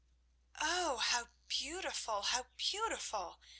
"Oh, how beautiful! how beautiful!"